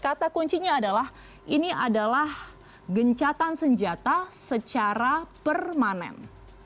kata kuncinya adalah ini adalah gencatan senjata secara permanen